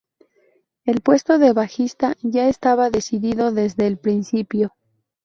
El puesto de bajista ya estaba decidido desde el principio.